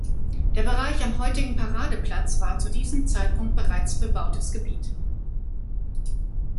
Der Bereich am heutigen Paradeplatz war zu diesem Zeitpunkt bereits bebautes Gebiet.